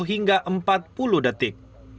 sepuluh hingga empat puluh detik